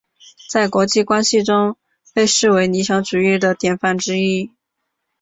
在国际关系中被视为理想主义的典范之一。